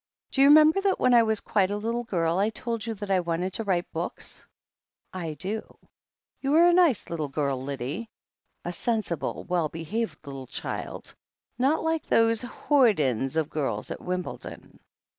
Do you remember that when I was quite a little girl I t#ld you that I wanted to write books?" "I do. You were a nice little girl, Lyddie — a sensi ble, well behaved, little child. Not like those hoydens of girls at Wimbledon.